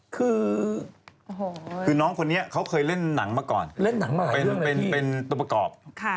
คือน้องคนนี้เขาเคยเล่นนังมาก่อนเป็นตัวประกอบ